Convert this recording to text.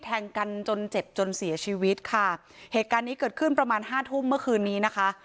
แทงกันจนเจ็บจนเสียชีวิตค่ะเหตุการณ์นี้เกิดขึ้นประมาณห้าทุ่มเมื่อคืนนี้นะคะ